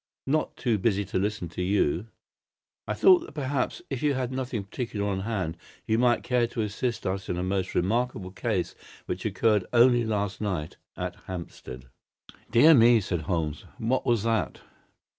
"Not too busy to listen to you." "I thought that, perhaps, if you had nothing particular on hand, you might care to assist us in a most remarkable case which occurred only last night at Hampstead." "Dear me!" said Holmes. "What was that?"